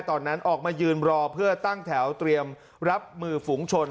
ตอนนั้นออกมายืนรอเพื่อตั้งแถวเตรียมรับมือฝูงชน